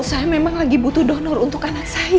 saya memang lagi butuh donor untuk anak saya